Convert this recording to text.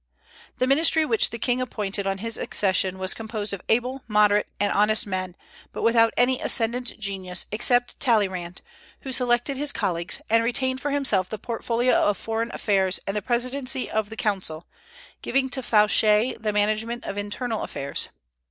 The ministry which the king appointed on his accession was composed of able, moderate, and honest men, but without any ascendant genius, except Talleyrand; who selected his colleagues, and retained for himself the portfolio of foreign affairs and the presidency of the Council, giving to Fouché the management of internal affairs.